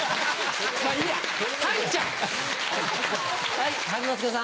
はい。